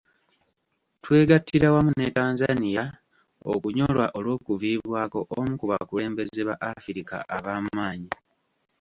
Twegattira wamu ne Tanzania okunyolwa olw'okuviibwako omu ku bakulembeze ba Afirika abaamaanyi.